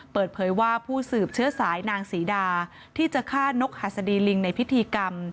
เปิดเผยว่าผู้สืบเชื้อสายนางศรีดาที่จะฆ่านกหัสดีลิงในพิธีกรรม